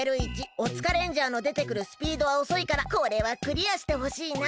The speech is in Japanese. オツカレンジャーのでてくるスピードはおそいからこれはクリアしてほしいな。